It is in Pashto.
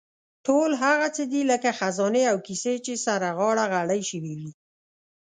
ټول هغه څه دي لکه خزانې او کیسې چې سره غاړه غړۍ شوې وي.